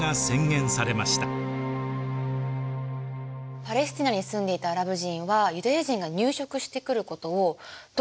パレスティナに住んでいたアラブ人はユダヤ人が入植してくることをどう受け止めていたんですか？